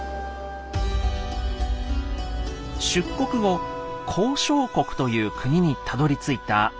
出国後高昌国という国にたどりついた玄奘。